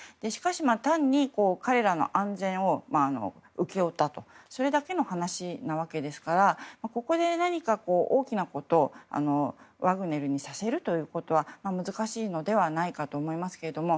単に彼らの安全を請け負ったとそれだけの話なわけですからここで何か大きなことをワグネルにさせるということは難しいのではないかと思いますけども。